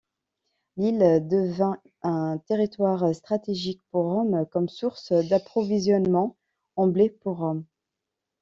L'île devint un territoire stratégique pour Rome comme source d'approvisionnement en blé pour Rome.